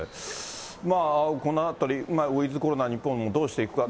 このあたり、ウィズコロナ、日本もどうしていくか。